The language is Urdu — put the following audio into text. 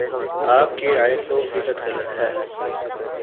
آپ کی رائے سو فیصد غلط ہے